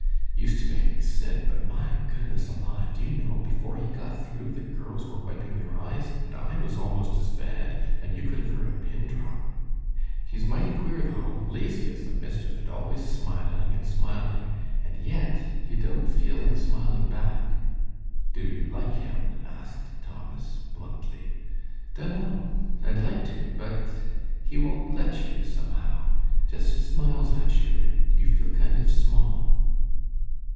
Used to make me sick, but, my goodness alive! do you know, before he got through the girls were wiping their eyes, and I was almost as bad, and you could have heard a pin drop. He's mighty queer, though, lazy as the mischief, and always smiling and smiling, and yet you don't feel like smiling back." "Do you like him?" asked Thomas, bluntly. "Dunno. I'd like to, but he won't let you, somehow. Just smiles at you, and you feel kind of small."